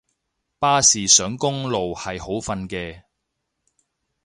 巴士上公路係好瞓嘅